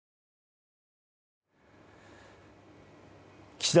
岸田